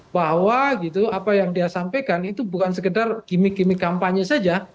bahwa apa yang dia sampaikan itu bukan sekedar gimmick gimmick kampanye saja